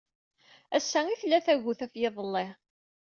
Assa i tella tagut ɣef yiḍelli.